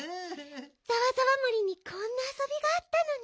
ざわざわ森にこんなあそびがあったのね。